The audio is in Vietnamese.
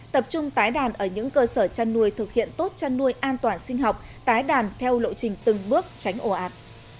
tập trung tái đàn ở những cơ sở chăn nuôi thực hiện tốt chăn nuôi an toàn sinh học tái đàn theo lộ trình từng bước tránh ổ ạt